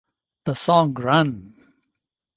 The song Run!